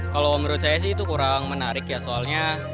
kalau menurut saya sih itu kurang menarik ya soalnya